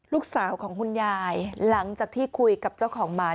ลูกชายของคุณยายหลังจากที่คุยกับเจ้าของหมา